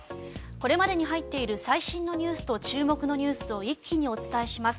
これまでに入っている最新ニュースと注目ニュースを一気にお伝えします。